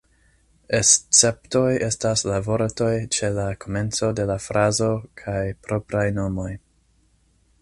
Esceptoj estas la vortoj ĉe la komenco de la frazo kaj propraj nomoj.